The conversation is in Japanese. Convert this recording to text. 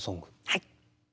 はい。